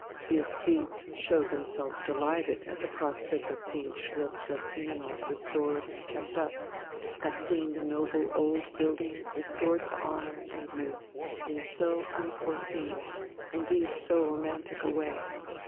The æsthetes showed themselves delighted at the prospect of seeing Schloss Delphinenort restored and kept up at seeing the noble old building restored to honour and youth in so unforeseen, indeed so romantic a way.